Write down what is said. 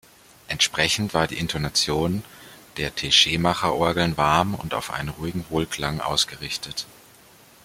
Entsprechend war die Intonation der Teschemacher-Orgeln warm und auf einen ruhigen Wohlklang ausgerichtet.